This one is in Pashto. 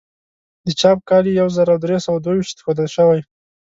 د چاپ کال یې یو زر درې سوه دوه ویشت ښودل شوی.